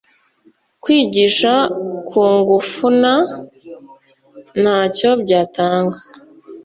kwigishwa kungufuna ntacyo byatanga